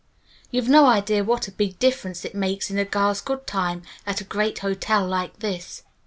You've no idea what a big difference it makes in a girl's good time at a great hotel like this."